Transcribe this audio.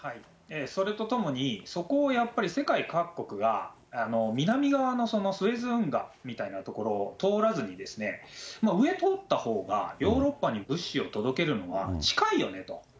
それとともに、そこをやっぱり世界各国が、南側のスエズ運河みたいな所を通らずに、上通ったほうがヨーロッパに物資を届けるのは近いよねと。